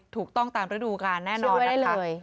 ถูกต้องตามฤดูการณ์แน่นอนช่วยไว้ได้เลย